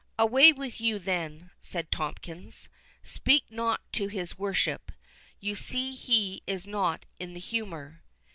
"Away with you, then," said Tomkins;—"speak not to his worship—you see he is not in the humour."